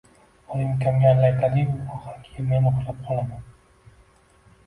Oyim ukamga alla aytadi-yu, ohangiga men uxlab qolaman...